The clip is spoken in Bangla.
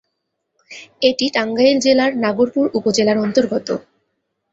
এটি টাঙ্গাইল জেলার নাগরপুর উপজেলার অন্তর্গত।